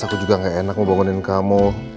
aku juga gak enak mau bangunin kamu